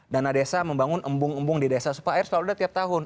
dana desa membangun embung embung di desa supaya air selalu ada tiap tahun